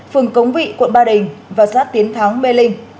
phường cống vị quận ba đình và xã tiến thắng mê linh